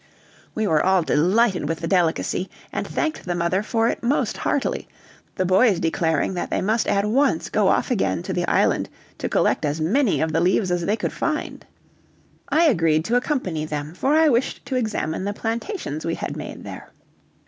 We were all delighted with the delicacy, and thanked the mother for it most heartily, the boys declaring that they must at once go off again to the island to collect as many of the leaves as they could find. I agreed to accompany them, for I wished to examine the plantations we had made there.